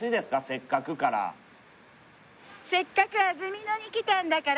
「せっかく」から「せっかく安曇野に来たんだから」